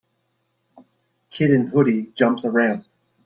Kid in hoodie jumps a ramp.